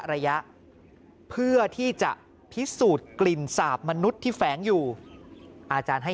ระยะเพื่อที่จะพิสูจน์กลิ่นสาบมนุษย์ที่แฝงอยู่อาจารย์ให้